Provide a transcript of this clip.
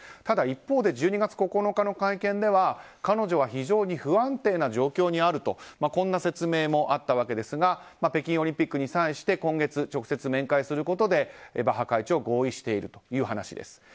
ただ一方で１２月９日の会見では彼女は非常に不安定な状況にあるとこんな説明もあったわけですが北京オリンピックに際して今月、直接面会することでバッハ会長は合意しているという話です。